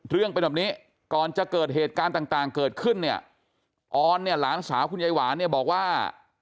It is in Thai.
เรื่องเป็นแบบนี้ก่อนจะเกิดเหตุการณ์ต่างเกิดขึ้นเนี่ยออนเนี่ยหลานสาวคุณยายหวานเนี่ยบอกว่า